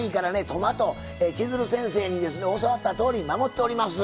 トマト千鶴先生にですね教わったとおり守っております。